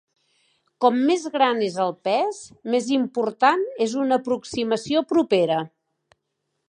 Com més gran és el pes, més important és una aproximació propera.